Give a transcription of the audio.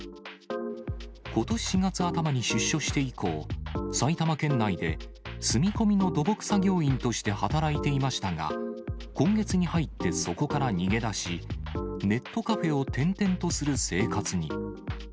ことし４月頭に出所して以降、埼玉県内で住み込みの土木作業員として働いていましたが、今月に入って、そこから逃げ出し、ネットカフェを転々とする生活に。